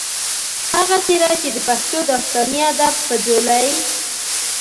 هغه څېره چې د پښتو داستاني ادب پۀ ځولۍ